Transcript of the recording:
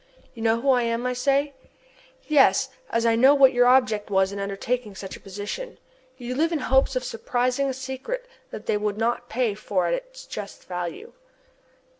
"You know who I am?" I say. "Yes, as I know what your object was in undertaking such a position. You lived in hopes of surprising a secret that they would not pay for at its just value!"